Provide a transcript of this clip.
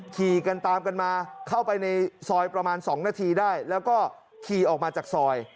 ขี่กันตามกันมาเข้าไปในซอยประมาณ๒นาทีได้แล้วก็ขี่ออกมาจากซอย